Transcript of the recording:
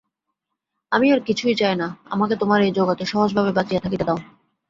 আমি আর কিছুই চাই না, আমাকে তোমার এই জগতে সহজভাবে বাঁচিয়া থাকিতে দাও।